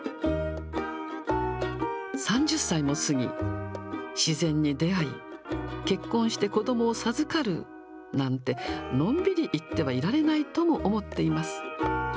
３０歳も過ぎ、自然に出会い、結婚して子どもを授かるなんて、のんびり言ってはいられないとも思っています。